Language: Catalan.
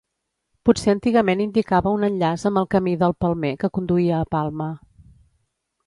Potser antigament indicava un enllaç amb el camí del Palmer que conduïa a Palma.